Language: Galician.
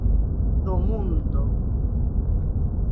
Do mundo.